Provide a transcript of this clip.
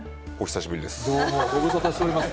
どうもご無沙汰しております。